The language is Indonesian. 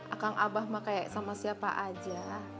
akang abah mah kayak sama siapa aja